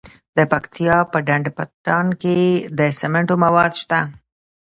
د پکتیا په ډنډ پټان کې د سمنټو مواد شته.